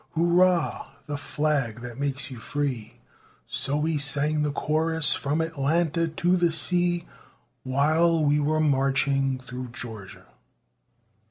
Hurrah! the flag that makes you free!" So we sang the chorus from Atlanta to the sea, While we were marching through Georgia.